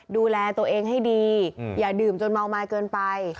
ดูแลตัวเองให้ดีอย่าดื่มจนเมาไม้เกินไป